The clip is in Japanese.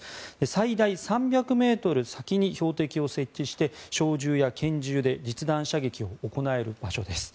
最大３００ｍ先に標的を設置して小銃や拳銃で実弾射撃を行える場所です。